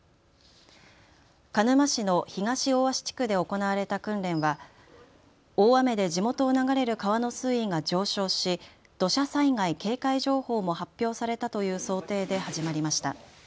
鹿沼市の東大芦地区で行われた訓練は大雨で地元を流れる川の水位が上昇し土砂災害警戒情報も発表されたという想定で始まりました。